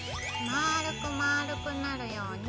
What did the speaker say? まるくまるくなるように。